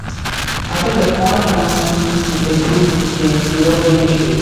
After that point, Huns cease to exist in European history.